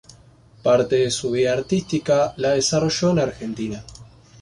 Parte de su vida artística la desarrolló en Argentina.